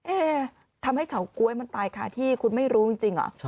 เอ๊ทำให้เฉาก๊วยมันตายค่ะที่คุณไม่รู้จริงเหรอ